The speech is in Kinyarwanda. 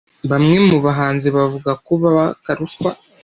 Bamwe mubahanzi bavugako babaka ruswa